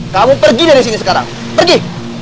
kamu pergi dari sini sekarang pergi